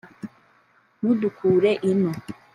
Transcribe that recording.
ntudukure ino